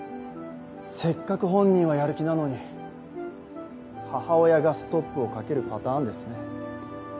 せっかく本人はやる気なのに母親がストップをかけるパターンですね。